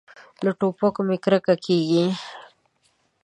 له ټوپکو مې کرکه کېږي.